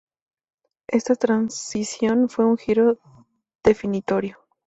Esta transición fue un giro definitorio.